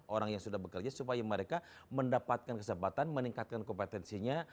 orang yang sudah bekerja supaya mereka mendapatkan kesempatan meningkatkan kompetensinya